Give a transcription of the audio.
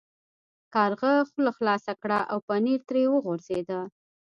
کارغه خوله خلاصه کړه او پنیر ترې وغورځید.